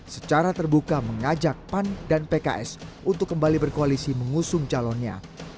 secara terbuka mengajak pan dan pks untuk kembali berkoalisi mengusung calonnya